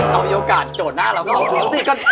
ก็เอายการโจทย์หน้าเราเขาดูสิ